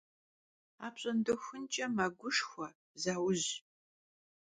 Apş'ondexunç'e meguşşxue, zauj.